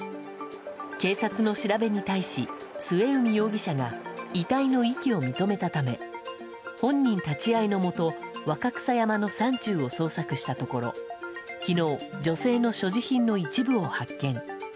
警察の調べに対し末海容疑者が遺体の遺棄を認めたため本人立ち会いのもと若草山の山中を捜索したところ昨日、女性の所持品の一部を発見。